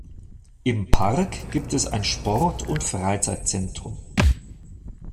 Im Park gibt es ein Sport- und Freizeitzentrum.